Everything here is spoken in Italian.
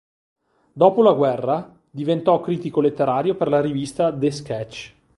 Dopo la guerra, diventò critico letterario per la rivista "The Sketch".